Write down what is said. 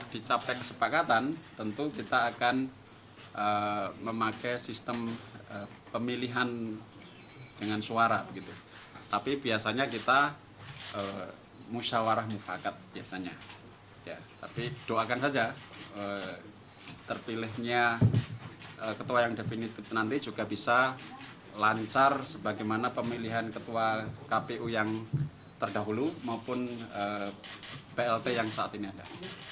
doakan saja terpilihnya ketua yang definitif nanti juga bisa lancar sebagaimana pemilihan ketua kpu yang terdahulu maupun plt yang saat ini ada